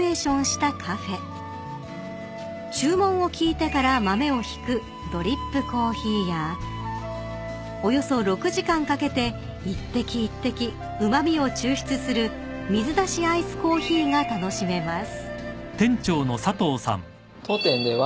［注文を聞いてから豆をひくドリップコーヒーやおよそ６時間かけて一滴一滴うま味を抽出する水出しアイスコーヒーが楽しめます］